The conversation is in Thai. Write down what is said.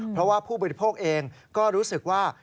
เพราะว่าผู้บริโภคเองก็รู้สึกว่า